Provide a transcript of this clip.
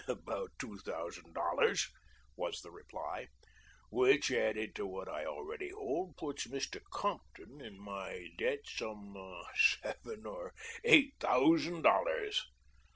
"About two thousand dollars," was the reply, "which added to what I already hold, puts Mr. Compton in my debt some seven or eight thousand dollars."